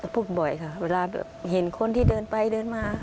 พูดบ่อยค่ะเวลาเห็นคนที่เดินไปเดินมา